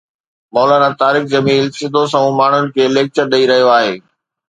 مولانا طارق جميل سڌو سنئون ماڻهن کي ليڪچر ڏئي رهيو آهي